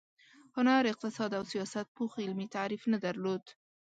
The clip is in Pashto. هنر، اقتصاد او سیاست پوخ علمي تعریف نه درلود.